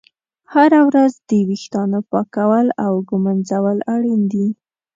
هره ورځ د ویښتانو پاکول او ږمنځول اړین دي.